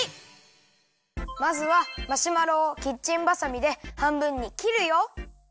まずはマシュマロをキッチンばさみではんぶんにきるよ。